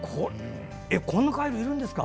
こんなカエルいるんですか。